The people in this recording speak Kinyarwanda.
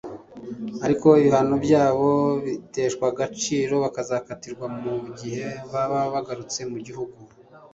ariko ibihano byabo biteshwa agaciro bakazakatirwa mu gihe baba bagarutse mu gihugu